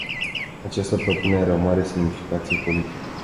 Această propunere are o mare semnificație politică.